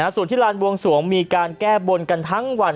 ส่วนที่ลานบวงสวงมีการแก้บนกันทั้งวัน